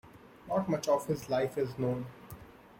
Not much of his life is known.